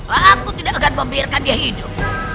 aku tidak akan membiarkan dia hidup